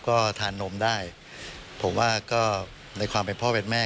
ก็ทานนมได้ผมว่าก็ในความเป็นพ่อเป็นแม่